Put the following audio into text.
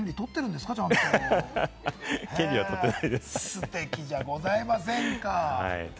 ステキじゃございませんか。